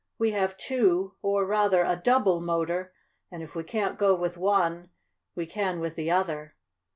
We have two, or, rather, a double motor, and if we can't go with one we can with the other.